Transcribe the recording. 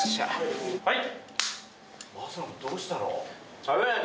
はい。